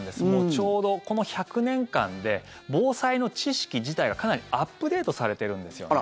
ちょうどこの１００年間で防災の知識自体がかなりアップデートされてるんです。